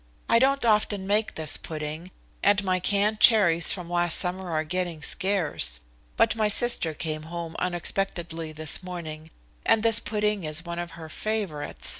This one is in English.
"I don't often make this pudding, and my canned cherries from last summer are getting scarce. But my sister came home unexpectedly this morning, and this pudding is one of her favorites.